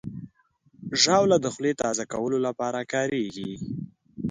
ژاوله د خولې تازه کولو لپاره کارېږي.